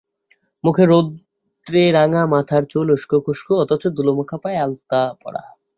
মুখ রৌদ্রে রাঙা, মাথার চুল উসকোথুসকো, অথচ ধুলোমাখা পায়ে আলতা পরা।